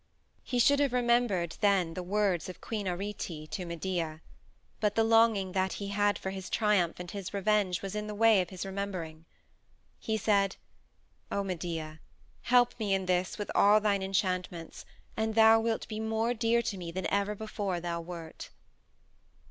He should have remembered then the words of Queen Arete to Medea, but the longing that he had for his triumph and his revenge was in the way of his remembering. He said, "O Medea, help me in this with all thine enchantments and thou wilt be more dear to me than ever before thou wert."